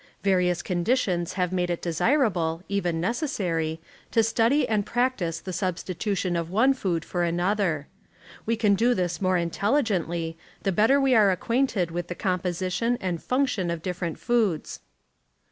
Various conditions have made it desirable, even nec essary, to study and practice the substitution of one food for an other. We can do this the more intelligently, the bettet we are acquainted with the composition and function of different foods.